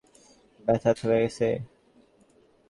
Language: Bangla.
ব্যথা থেমে গেছে?